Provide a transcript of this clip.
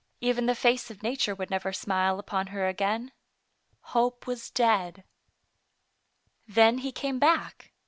Even the face of nature would never smile upon her again. Hope was dead. Then he came back.